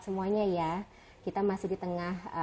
semuanya ya kita masih di tengah